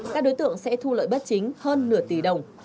các đối tượng sẽ thu lợi bất chính hơn nửa tỷ đồng